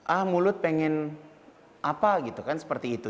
ah mulut pengen apa gitu kan seperti itu